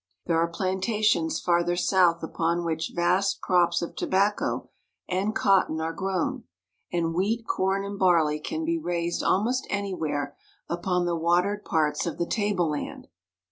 There are plantations farther south upon which vast crops of tobacco and cotton are grown; and wheat, corn, and barley can be raised almost anywhere upon the watered parts of the tableland.